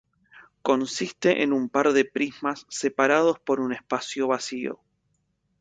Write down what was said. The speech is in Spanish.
Consiste en un par de prismas separados por un espacio vacío.